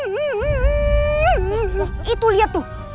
wah itu liat tuh